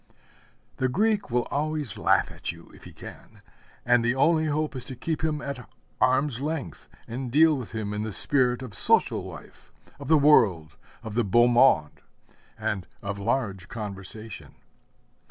The Greek will always laugh at you if he can, and the only hope is to keep him at arm's length, and deal with him in the spirit of social life, of the world, of the beau monde, and of large conversation.